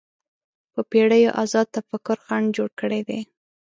په پېړیو ازاد تفکر خنډ جوړ کړی دی